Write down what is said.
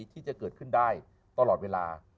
ที่จะเกิดขึ้นได้ตลอดเวลา